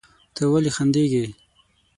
ته ولې خندېږې؟